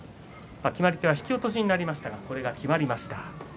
決まり手は引き落としになりましたがきまりました。